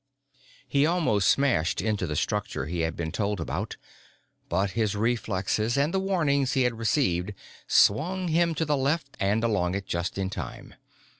_ He almost smashed into the structure he had been told about, but his reflexes and the warnings he had received swung him to the left and along it just in time.